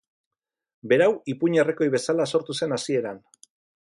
Berau, ipuin herrikoi bezala sortu zen hasieran.